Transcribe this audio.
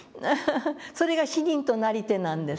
それが「死人となりて」なんです。